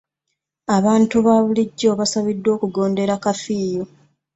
Abantu ba bulijo basabiddwa okugondera kafiyu.